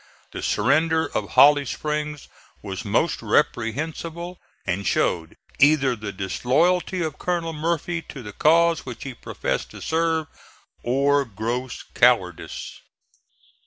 The surrender of Holly Springs was most reprehensible and showed either the disloyalty of Colonel Murphy to the cause which he professed to serve, or gross cowardice.